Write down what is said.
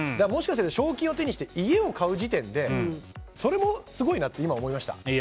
もしかすると勝機を手にして家を買う時点でそれも、すごいなって今、思いました。